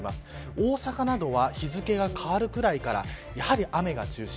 大阪などは日付が変わるぐらいからやはり雨が中心。